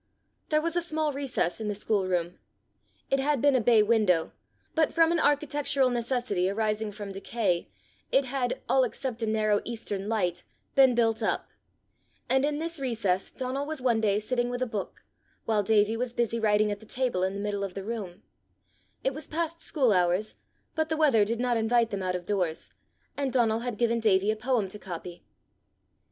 There was a small recess in the schoolroom it had been a bay window, but from an architectural necessity arising from decay, it had, all except a narrow eastern light, been built up and in this recess Donal was one day sitting with a book, while Davie was busy writing at the table in the middle of the room: it was past school hours, but the weather did not invite them out of doors, and Donal had given Davie a poem to copy.